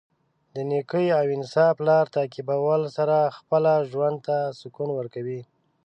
د نېکۍ او انصاف لار تعقیبولو سره خپله ژوند ته سکون ورکوي.